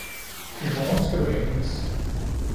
I morgen skal du hænges.